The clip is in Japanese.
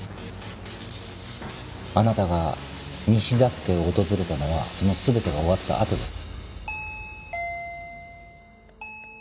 あなたが西崎家を訪れたのはその全てが終わったあとです。